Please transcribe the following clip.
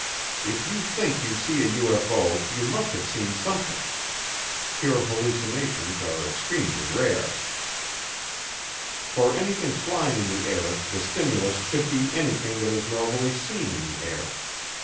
If you think you see a UFO you must have seen something. Pure hallucinations are extremely rare. For anything flying in the air the stimulus could be anything that is normally seen in the air.